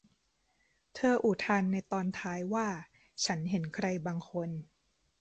เธออุทานในตอนท้ายว่า ฉันเห็นใครบางคน